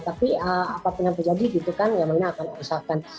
tapi apapun yang terjadi gitu kan ya mereka akan usahakan